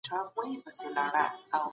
زبید